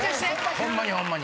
ホンマにホンマに。